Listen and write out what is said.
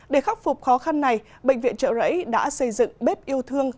để khắc phục khó khăn này bệnh viện trợ rẫy đã xây dựng bếp yêu thương